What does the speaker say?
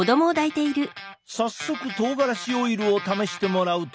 早速とうがらしオイルを試してもらうと。